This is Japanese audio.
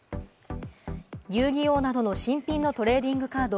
『遊☆戯☆王』などの新品のトレーディングカード